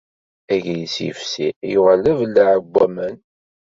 Agris yefsi yuɣal d abellaɛ n waman.